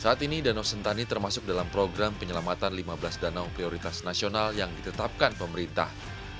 saat ini danau sentani termasuk dalam program penyelamatan lima belas danau prioritas nasional yang ditetapkan pemerintah